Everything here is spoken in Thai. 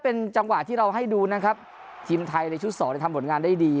เป็นจังหวะที่เราให้ดูนะครับทีมไทยในชุดสองทำผลงานได้ดี